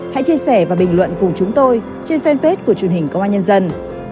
hãy chia sẻ và bình luận cùng chúng tôi trên fanpage của truyền hình công an nhân dân